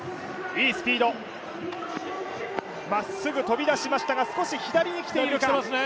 いいスピード、まっすぐ飛び出しましたが少し左にきているか。